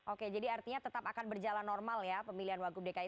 oke jadi artinya tetap akan berjalan normal ya pemilihan wagub dki